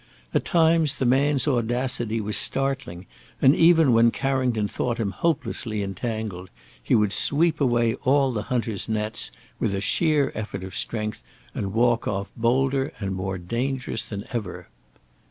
At times the man's audacity was startling, and even when Carrington thought him hopelessly entangled, he would sweep away all the hunter's nets with a sheer effort of strength, and walk off bolder and more dangerous than ever.